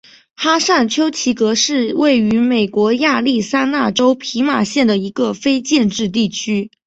哈尚丘奇格是位于美国亚利桑那州皮马县的一个非建制地区。